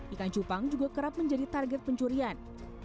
ikan cupang juga kerap menjadi target pencurian